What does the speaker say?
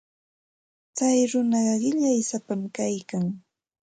Tsay runaqa qillaysapam kaykan.